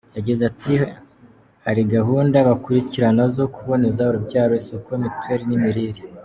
Yagize ati “Hari gahunda bakurikirana zo kuboneza urubyaro, isuku, mitiweli n’imirire.